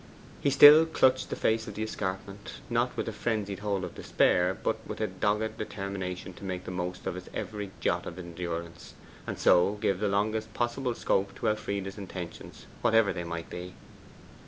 He still clutched the face of the escarpment not with the frenzied hold of despair, but with a dogged determination to make the most of his every jot of endurance, and so give the longest possible scope to Elfride's intentions, whatever they might be.